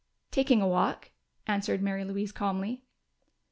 "Taking a walk," answered Mary Louise calmly.